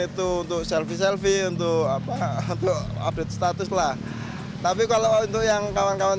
itu untuk selfie selfie untuk apa untuk update status lah tapi kalau untuk yang kawan kawan